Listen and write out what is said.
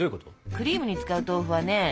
クリームに使う豆腐はね